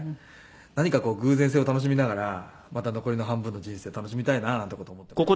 何か偶然性を楽しみながらまた残りの半分の人生を楽しみたいななんて事を思っています。